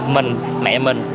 mình mẹ mình